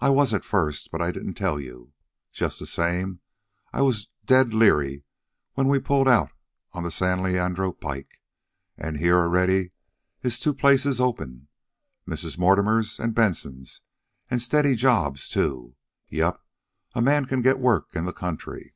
I was at first, but I didn't tell you. Just the same I was dead leery when we pulled out on the San Leandro pike. An' here, already, is two places open Mrs. Mortimer's an' Benson's; an' steady jobs, too. Yep, a man can get work in the country."